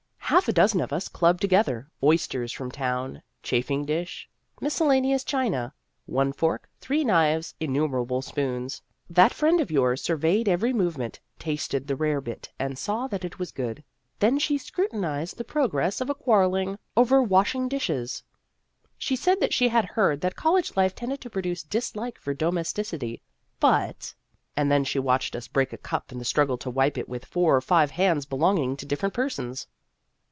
Half a dozen of us clubbed together oysters from town, chafing dish, miscellaneous china, one fork, three knives, innumerable spoons. That friend of yours surveyed every movement, tasted the rarebit, and saw that it was good ; then she scrutinized the progress of a quarrel over washing 250 Vassar Studies dishes. She said that she had heard that college life tended to produce dislike for domesticity, but And then she watched us break a cup in the struggle to wipe it with four or five hands belonging to different persons.